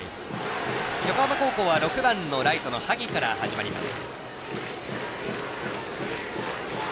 横浜高校は６番のライトの萩から始まります。